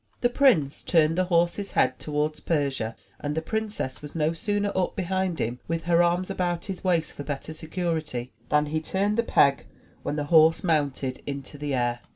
The prince turned the horse's head towards Persia, and the princess was no sooner up behind him with her arms about his waist for better security, than he turned the peg, when the horse mounted into the air.